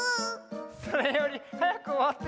それよりはやくおわって！